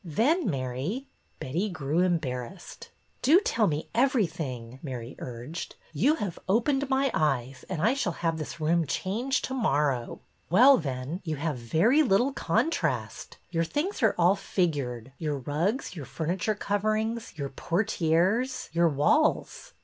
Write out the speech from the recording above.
Then, Mary —" Betty grew embarrassed. '' Do tell me everything," Mary urged. '' You have opened my eyes and I shall have this room changed to morrow." Well, then, you have very little contrast. Your things are all figured, — your rugs, your furniture coverings, your portieres, your walls."